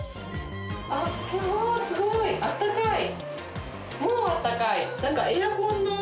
わーすごいあったかい。